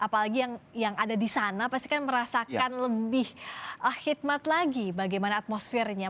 apalagi yang ada di sana pasti kan merasakan lebih khidmat lagi bagaimana atmosfernya